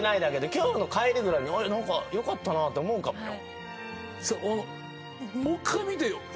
今日の帰りぐらいによかったなって思うかもよ。